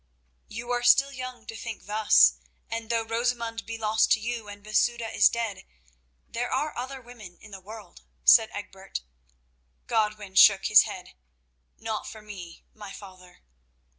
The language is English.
"You are still young to talk thus, and though Rosamund be lost to you and Masouda dead, there are other women in the world," said Egbert. Godwin shook his head. "Not for me, my father."